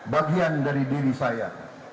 bagian dari diri saya